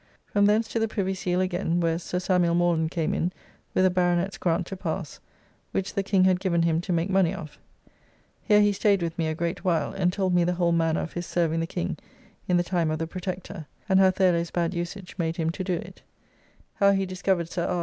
From thence to the Privy Seal again, where Sir Samuel Morland came in with a Baronet's grant to pass, which the King had given him to make money of. Here he staid with me a great while; and told me the whole manner of his serving the King in the time of the Protector; and how Thurloe's bad usage made him to do it; how he discovered Sir R.